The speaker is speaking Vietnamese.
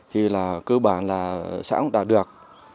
thì cơ bản là xã cũng đạt được